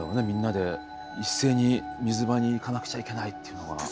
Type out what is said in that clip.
みんなで一斉に水場に行かなくちゃいけないっていうのが。